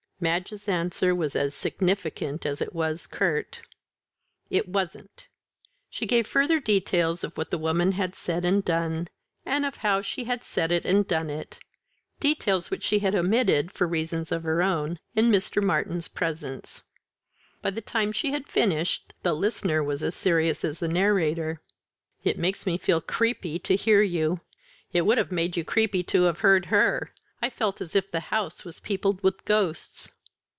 Madge's answer was as significant as it was curt. "It wasn't." She gave further details of what the woman had said and done, and of how she had said and done it details which she had omitted, for reasons of her own, in Mr. Martyn's presence. By the time she had finished the listener was as serious as the narrator. "It makes me feel creepy to hear you." "It would have made you creepy to have heard her. I felt as if the house was peopled with ghosts."